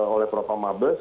oleh propa mabes